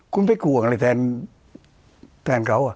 คุณไปห่วงอะไรแทนเขา